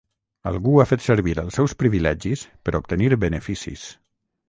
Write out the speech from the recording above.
Algú ha fet servir els seus privilegis per obtenir beneficis.